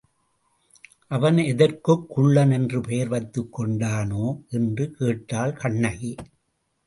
அவன் எதற்குக் குள்ளன் என்று பெயர் வைத்துக் கொண்டானோ? என்று கேட்டாள் கண்ணகி.